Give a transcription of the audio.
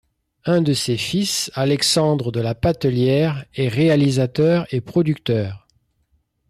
Un de ses fils, Alexandre de La Patellière, est réalisateur et producteur.